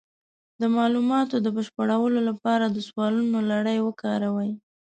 د معلوماتو د بشپړولو لپاره د سوالونو لړۍ وکاروئ.